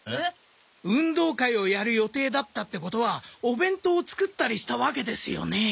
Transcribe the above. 運動会をやる予定だったってことはお弁当を作ったりしたわけですよね？